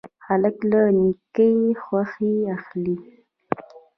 هلک له نیکۍ خوښي اخلي.